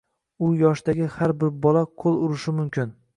Shu yoshdagi har bir bola qoʻl urishi mumkin.